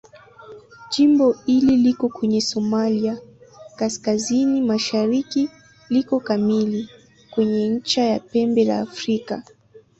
Jimbo hili liko kwenye Somalia kaskazini-mashariki liko kamili kwenye ncha ya Pembe la Afrika.